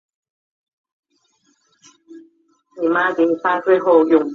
该架构现在已经在全球全球范围内得到应用一致性。